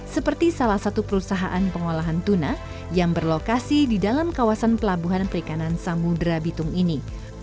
seperti salah satu perusahaan pengolahan tuna yang berlokasi di dalam kawasan pelabuhan perikanan samudera bitung ini